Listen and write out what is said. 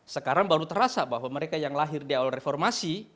sekarang baru terasa bahwa mereka yang lahir di awal reformasi